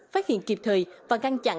phát hiện kịp thời và ngăn chặn